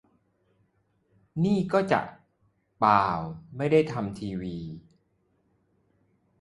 นี่ก็จะ ป่าว ไม่ได้ทำทีวี